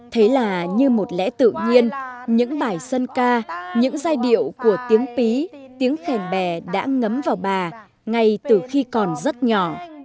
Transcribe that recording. thế là như một lẽ tự nhiên những bài dân ca những giai điệu của tiếng pí tiếng khen bè đã ngấm vào bà ngay từ khi còn rất nhỏ